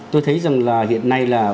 tôi thấy rằng là hiện nay là